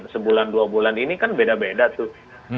sebulan dua bulan ini kan beda beda tuh